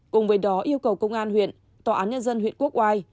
cùng với đó yêu cầu công an huyện tòa án nhân dân huyện quốc oai